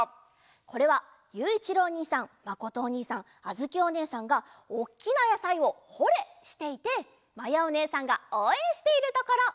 これはゆういちろうおにいさんまことおにいさんあづきおねえさんがおっきなやさいを「ホ・レッ！」していてまやおねえさんがおうえんしているところ。